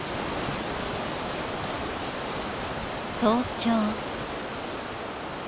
早朝。